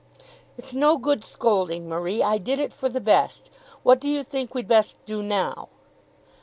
"It's no good scolding, Marie. I did it for the best. What do you think we'd best do now?"